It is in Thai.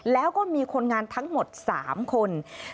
แล้วก็มีคนงานทั้งหมด๓คน